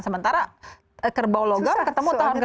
sementara kerbau logam ketemu tahun kerbau logam